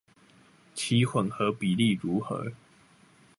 其混合比例如何？